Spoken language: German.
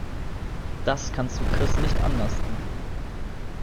Das kannst du Chris nicht anlasten.